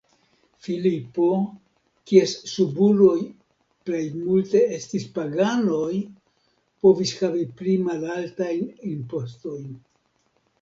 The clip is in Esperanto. Filipo, kies subuloj plejmulte estis paganoj, povis havi pli malaltajn impostojn.